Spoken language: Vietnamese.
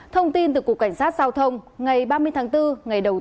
thông tin từ cục cảnh sát giao thông ngày ba mươi tháng bốn